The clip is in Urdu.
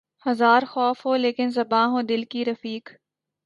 ہزار خوف ہو لیکن زباں ہو دل کی رفیق